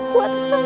aku sudah berhenti